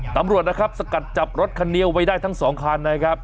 ธรรมรวชนะครับสะกัดจับรถคันเดียวไว้ได้ทั้งสองคันเลยนะครับ